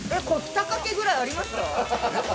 ２かけぐらいありますか？